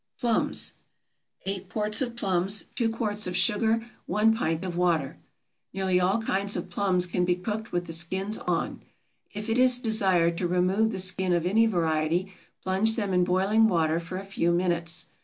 PLUMS. 8 quarts of plums. 2 quarts of sugar. 1 pint of water. Nearly all kinds of plums can be cooked with the skins on. If it is desired to remove the skin of any variety, plunge them in boiling water for a few minutes.